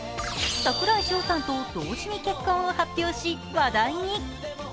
櫻井翔さんと同時に結婚を発表し、話題に。